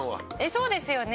そうですよね。